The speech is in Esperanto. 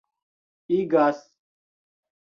igas